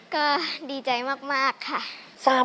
ก็ดีใจมากค่ะ